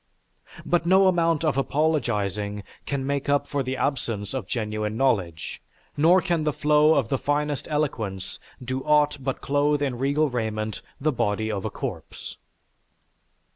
But no amount of apologizing can make up for the absence of genuine knowledge, nor can the flow of the finest eloquence do aught but clothe in regal raiment the body of a corpse."